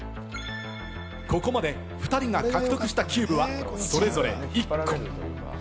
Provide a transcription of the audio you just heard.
ここまで２人が獲得したキューブはそれぞれ１個。